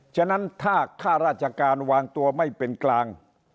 ฉะนั้นถ้าข้าราชการวางตัวไม่เป็นกลาง